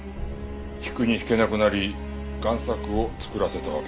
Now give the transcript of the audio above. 引くに引けなくなり贋作を作らせたわけか。